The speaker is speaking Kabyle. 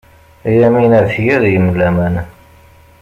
Yamina tga deg-m laman.